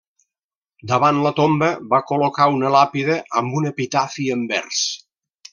Davant la tomba va col·locar una làpida amb un epitafi en vers.